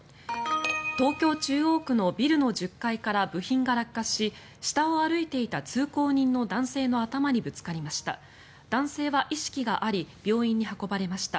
東京・中央区のビルの１０階から部品が落下し下を歩いていた通行人の男性の頭にぶつかりました。